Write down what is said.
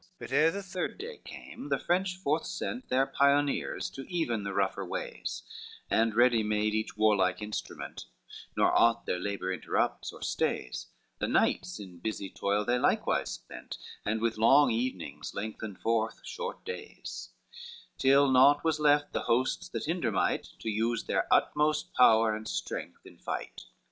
LXI But ere the third day came the French forth sent Their pioneers to even the rougher ways, And ready made each warlike instrument, Nor aught their labor interrupts or stays; The nights in busy toll they likewise spent And with long evenings lengthened forth short days, Till naught was left the hosts that hinder might To use their utmost power and strength in fight.